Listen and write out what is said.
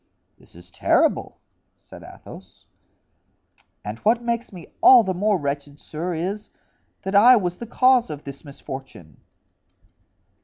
"This is terrible," said Athos. "And what makes me all the more wretched, sir, is, that I was the cause of this misfortune."